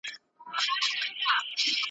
ناره پورته د اتڼ سي مستانه هغسي نه ده `